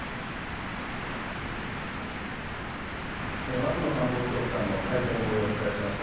松野官房長官の会見のもようをお伝えしました。